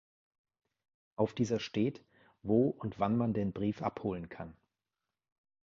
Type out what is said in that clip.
Auf dieser steht, wo und wann man den Brief abholen kann.